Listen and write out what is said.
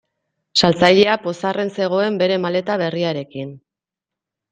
Saltzailea pozarren zegoen bere maleta berriarekin.